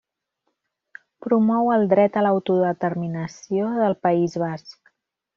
Promou el dret a l'autodeterminació del País Basc.